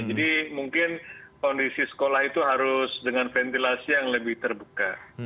jadi mungkin kondisi sekolah itu harus dengan ventilasi yang lebih terbuka